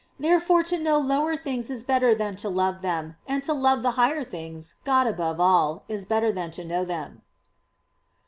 Therefore to know lower things is better than to love them; and to love the higher things, God above all, is better than to know them.